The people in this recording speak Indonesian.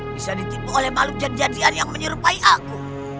bisa ditipu oleh malu jenjajian yang menyerupai aku